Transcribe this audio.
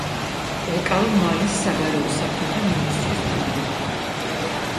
ეკავა მალის საგარეო საქმეთა მინისტრის თანამდებობა.